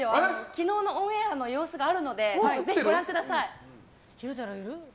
昨日のオンエアの様子があるのでぜひご覧ください。